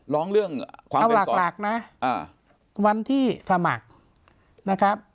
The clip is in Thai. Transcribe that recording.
ร้องเรื่องเอาหลักหลักนะอ่าวันที่สมัครนะครับ